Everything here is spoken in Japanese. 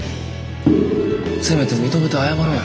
せめて認めて謝ろうよ。